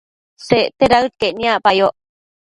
Secte daëd caic niacpayoc